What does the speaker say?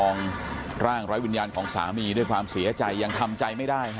ร่างไร้วิญญาณของสามีด้วยความเสียใจยังทำใจไม่ได้